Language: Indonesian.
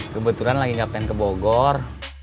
kebetulan lagi nggak pengen ke bogor